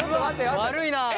悪いなあ。